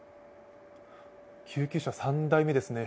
救急車、３台目ですね。